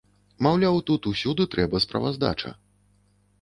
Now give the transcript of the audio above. Маўляў, тут усюды трэба справаздача.